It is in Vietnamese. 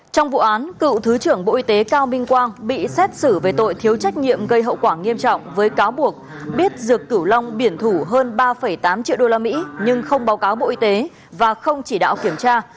trong vụ án cựu thứ trưởng bộ y tế cao minh quang bị xét xử về tội thiếu trách nhiệm gây hậu quả nghiêm trọng với cáo buộc biết dược cửu long biển thủ hơn ba tám triệu usd nhưng không báo cáo bộ y tế và không chỉ đạo kiểm tra